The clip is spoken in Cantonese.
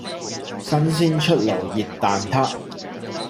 新鮮出爐熱蛋撻